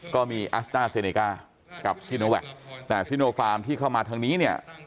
ก็มีอัสต้าเซเนก้ากับซีโนแวคแต่ซิโนฟาร์มที่เข้ามาทางนี้เนี่ย